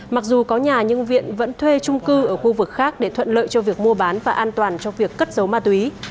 mặc dù có nhà nhưng viện vẫn thuê trung cư ở khu vực khác để thuận lợi cho việc mua bán và an toàn cho việc cất giấu ma túy